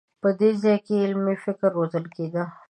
په دې ځای کې علمي فکر روزل کېده.